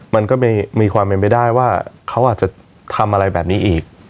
มันก็มีความเป็นไปได้ว่าเขาอาจจะทำอะไรแบบนี้อีก